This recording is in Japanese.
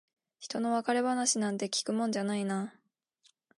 ひとの別れ話なんて聞くもんじゃないな。